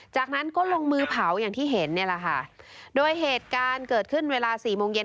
จากนั้นก็ลงมือเผาอย่างที่เห็นเนี่ยแหละค่ะโดยเหตุการณ์เกิดขึ้นเวลาสี่โมงเย็น